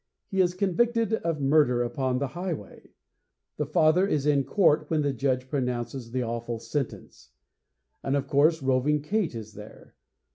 He is convicted of murder upon the highway. The father is in court when the Judge pronounces the awful sentence. And, of course, Roving Kate is there.